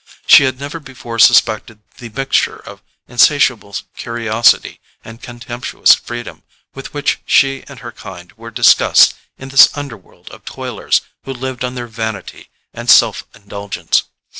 She had never before suspected the mixture of insatiable curiosity and contemptuous freedom with which she and her kind were discussed in this underworld of toilers who lived on their vanity and self indulgence.